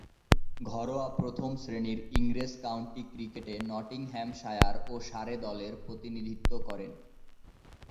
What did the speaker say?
ঘরোয়া প্রথম-শ্রেণীর ইংরেজ কাউন্টি ক্রিকেটে নটিংহ্যামশায়ার ও সারে দলের প্রতিনিধিত্ব করেন।